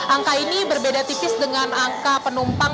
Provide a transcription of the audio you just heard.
angka ini berbeda tipis dengan angka penumpang